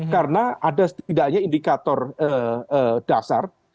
karena ada setidaknya indikator dasar